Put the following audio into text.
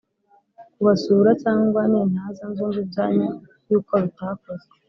kubasura cyangwa nintaza nzumve ibyanyu yuko bitakozwe